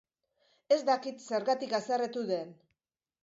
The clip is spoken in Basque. Ez dakit zergatik haserretu den